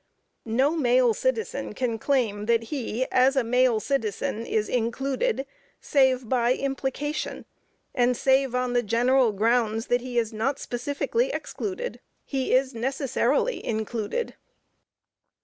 No male citizen can claim that he, as a male citizen, is included, save by implication, and save on the general grounds that he is not specifically excluded, he is necessarily included.